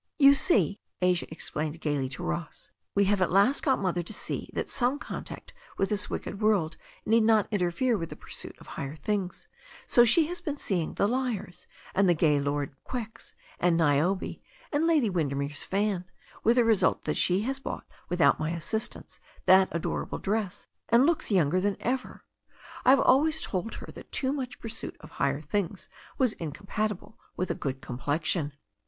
'You see," Asia explained gaily to Ross, "we have at last got Mother to see that some contact with this wicked world need not interfere with the pursuit of higher things, so she has been seeing 'The Liars,' and 'The Gay Lord Quex,' and 'Niobe,' and 'Lady Windermere's Fan,' with the result that she has bought without my assistance that ador able dress, and looks younger than ever. I've always told her that too much pursuit of higher things was incompati ble with a good complexion.